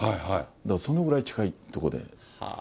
だからそのぐらい近い所で。